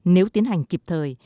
nếu tiến hành kịp thời